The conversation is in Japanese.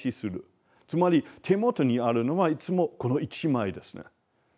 つまり手元にあるのはいつもこの１枚ですね。